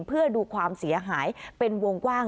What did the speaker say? เพื่อดูความเสียหายเป็นวงกว้าง